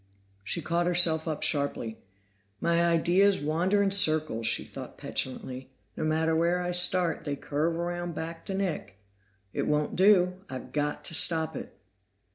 She caught herself up sharply. "My ideas wander in circles," she thought petulantly. "No matter where I start, they curve around back to Nick. It won't do; I've got to stop it."